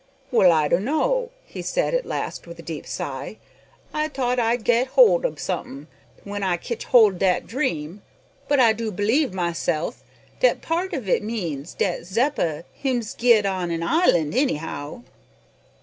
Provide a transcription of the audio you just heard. "Well, I don'no," he said at last with a deep sigh, "I t'ought I'd get hold ob suthin' when I kitch hold ob dat dream. But, I do b'lieve myself, dat part of it means dat Zeppa hims git on an island, anyhow."